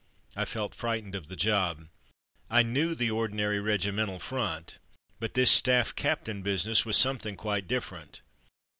I felt frightened of the job. I knew the ordinary regimental front, but this staff captain business was something quite different.